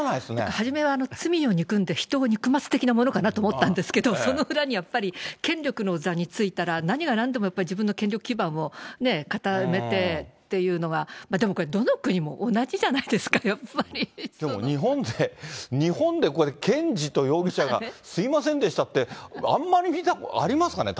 初めは罪を憎んで人を憎まず的なものかなと思ったんですけど、その裏にはやっぱり権力の座に就いたら何がなんでも自分の権力基盤を固めてというのは、でもこれ、どの国も同じじゃないですか、や日本で、日本で検事と容疑者がすみませんでしたって、あんまり見たこと、ありますかね？